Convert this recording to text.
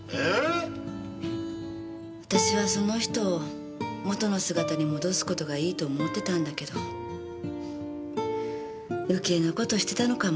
私はその人を元の姿に戻す事がいいと思ってたんだけど余計な事してたのかも。